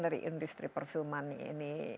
dari industri perfilman ini